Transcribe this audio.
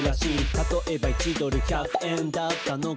「たとえば１ドル＝１００円だったのが」